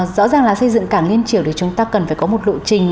rõ ràng là xây dựng cảng liên triều thì chúng ta cần phải có một lộ trình